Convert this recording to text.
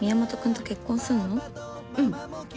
うん。